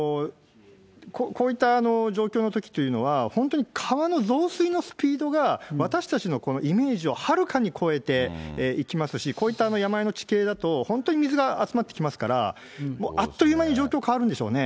こういった状況のときというのは、本当に川の増水のスピードが、私たちのイメージをはるかに超えていきますし、こういった山あいの地形だと、本当に水が集まってきますから、もうあっという間に状況変わるんでしょうね。